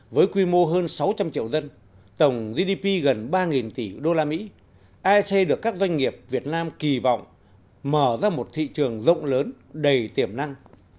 với quy mô hơn sáu trăm linh triệu dân tổng gdp gần ba tỷ usd ec được các doanh nghiệp việt nam kỳ vọng mở ra một thị trường rộng lớn đầy tiềm năng